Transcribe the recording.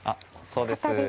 そうです。